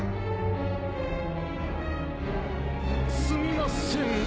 すみません